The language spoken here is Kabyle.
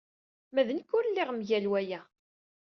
Ma d nekk ur lliɣ mgal waya.